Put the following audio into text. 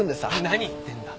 何言ってんだ。